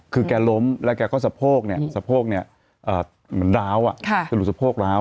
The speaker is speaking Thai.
คือแกล้มแล้วแกก็สะโพกสะโพกเหมือนดาวสะโพกดาว